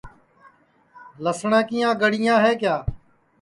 لسٹؔا کیاں گڑیاں ہے کیا